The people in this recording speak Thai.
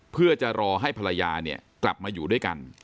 เพื่อจะรอให้ภรรยาเนี่ยกลับมาอยู่ด้วยกัน